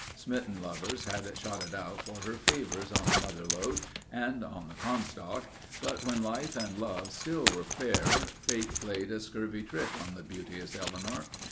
Smitten lovers had shot it out for her favors on the Mother Lode and on the Comstock, but when life and love still were fair, fate played a scurvy trick on the beauteous Eleanor.